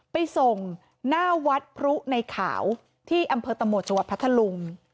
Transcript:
ไปส่งหน้าวัดพรุในขาวที่อำเภอตะโหมดจังหวัดพัทธลุง